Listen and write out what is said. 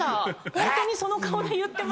ホントにその顔で言ってました。